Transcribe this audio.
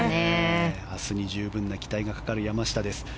明日に十分な期待がかかる山下です。